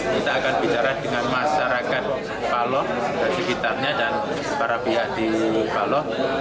kita akan bicara dengan masyarakat paloh dan sekitarnya dan para pihak di paloh